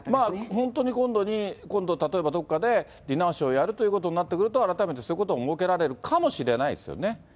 本当に今度、例えばどっかでディナーショーやるということになってくると、改めて、そういうことが設けられるかもしれないですね。